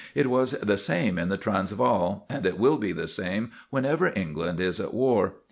It was the same in the Transvaal, and it will be the same whenever England is at war.